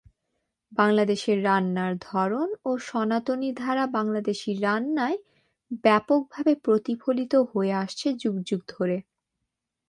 বাংলাদেশে রান্নার ধরন ও সনাতনী ধারা বাংলাদেশী রান্নায় ব্যাপকভাবে প্রতিফলিত হয়ে আসছে যুগ যুগ ধরে।